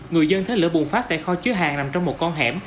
người dân thế lửa bùng phát tại kho chứa hàng nằm trong một con hẻm